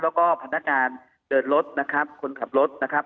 แล้วก็พนักงานเดินรถนะครับคนขับรถนะครับ